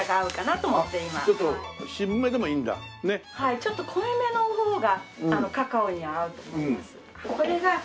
ちょっと濃いめの方がカカオには合うと思います。